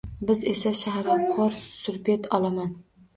Biz esa, sharobxo’r, surbet olomon